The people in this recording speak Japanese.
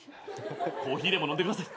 コーヒーでも飲んでください。